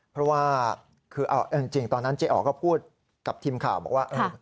เพราะว่าคือเอาจริงตอนนั้นเจ๊อ๋อก็พูดกับทีมข่าวบอกว่า